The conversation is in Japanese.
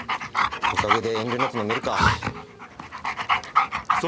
おかげで遠慮なく飲めるか。